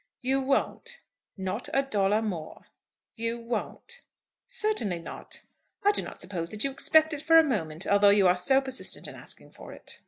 "You won't?" "Not a dollar more." "You won't?" "Certainly not. I do not suppose that you expect it for a moment, although you are so persistent in asking for it."